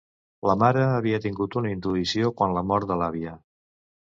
La mare havia tingut una intuïció quan la mort de l'àvia.